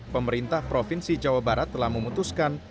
pemerintah provinsi jawa barat telah memutuskan